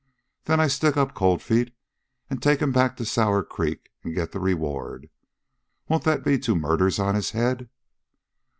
Then I stick up Cold Feet and take him back to Sour Creek and get the reward. Won't that be two murders on his head?"